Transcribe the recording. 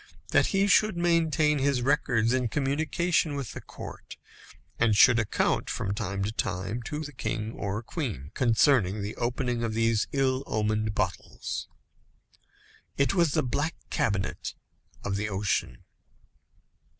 that he should maintain his records in communication with the court, and should account, from time to time, to the king or queen, concerning the opening of these ill omened bottles. It was the black cabinet of the ocean.